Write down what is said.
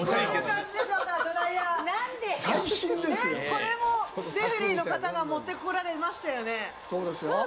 これをレフリーの方が持ってこられましたよね。